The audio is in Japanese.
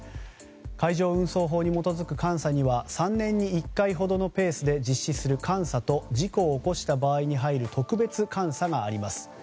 海上運送法に基づく監査には３年に１回ほどのペースで実施する監査と事故を起こした場合に入る特別監査があります。